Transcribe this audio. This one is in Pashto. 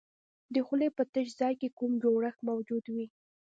د خولې په تش ځای کې کوم جوړښت موجود دی؟